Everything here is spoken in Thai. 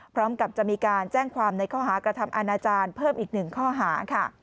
พร้อมกับจะมีการแจ้งความในข้อหากระทำอาณาจารย์เพิ่มอีกหนึ่งข้อหาค่ะ